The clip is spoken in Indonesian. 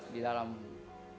di dalam kehidupan